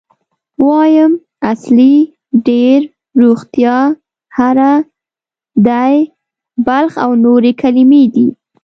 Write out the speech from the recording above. وایم، اصلي، ډېر، روغتیا، هره، دی، بلخ او نورې کلمې دي.